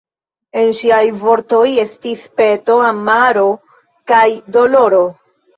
En ŝiaj vortoj estis peto, amaro kaj doloro.